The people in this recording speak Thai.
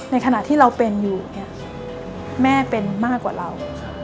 ขณะที่เราเป็นอยู่เนี่ยแม่เป็นมากกว่าเรา